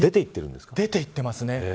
出ていってますね。